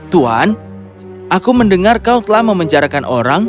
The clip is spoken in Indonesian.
tuan aku mendengar kau telah memenjarakan orang